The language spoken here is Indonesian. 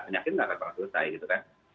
penyakit enggak akan selesai gitu kan